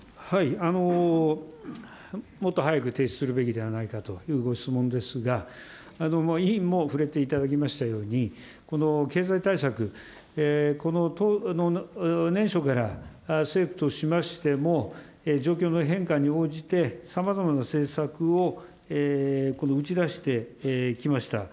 もっと早く提出するべきではないかというご質問ですが、委員も触れていただきましたように、この経済対策、この年初から政府としましても状況の変化に応じて、さまざまな政策を打ち出してきました。